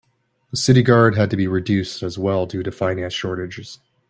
The city guard had to be reduced as well due to finance shortages.